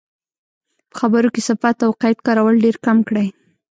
په خبرو کې صفت او قید کارول ډېرکم کړئ.